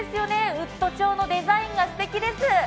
ウッド調のデザインがすてきです。